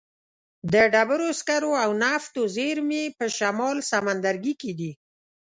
د ډبرو سکرو او نفتو زیرمې په شمال سمندرګي کې دي.